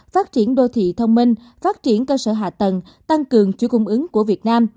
phát triển đô thị thông minh phát triển cơ sở hạ tầng tăng cường chuỗi cung ứng của việt nam